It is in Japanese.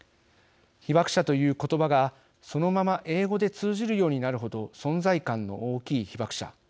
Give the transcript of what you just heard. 「ＨＩＢＡＫＵＳＨＡ」という言葉がそのまま英語で通じるようになるほど存在感の大きい被爆者。